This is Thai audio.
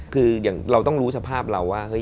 คืออย่างเราต้องรู้สภาพเราว่า